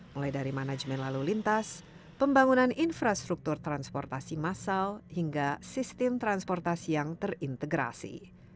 mulai dari manajemen lalu lintas pembangunan infrastruktur transportasi massal hingga sistem transportasi yang terintegrasi